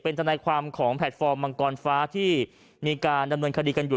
ทนายความของแพลตฟอร์มมังกรฟ้าที่มีการดำเนินคดีกันอยู่